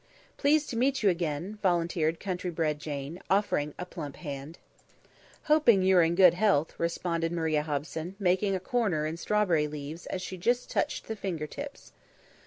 "Pleased to meet you again," volunteered country bred Jane, offering a plump hand. "Hoping you are in good health," responded Maria Hobson, making a corner in strawberry leaves as she just touched the finger tips.